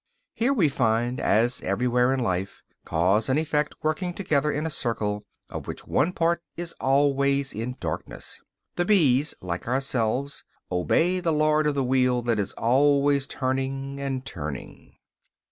Here we find, as everywhere in life, cause and effect working together in a circle of which one part is always in darkness; the bees, like ourselves, obey the lord of the wheel that is always turning and turning.